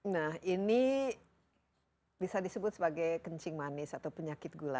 nah ini bisa disebut sebagai kencing manis atau penyakit gula